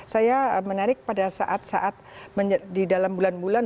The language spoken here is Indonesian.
saya menarik pada saat saat di dalam bulan bulan